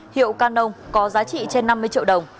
hiệu canong có giá trị trên năm mươi triệu đồng